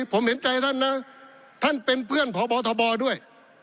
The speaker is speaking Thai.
ผมเห็นใจท่านนะท่านเป็นเพื่อนพบทบด้วย